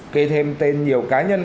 kể thêm tên nhiều cá nhân